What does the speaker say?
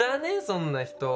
そんな人。